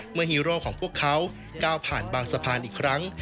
ฮีโร่ของพวกเขาก้าวผ่านบางสะพานอีกครั้ง